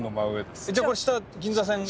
じゃこれ下銀座線が。